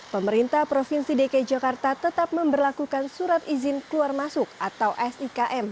pemerintah provinsi dki jakarta tetap memperlakukan surat izin keluar masuk atau sikm